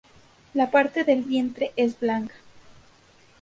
La parte del vientre es blanca.